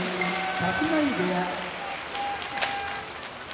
立浪部屋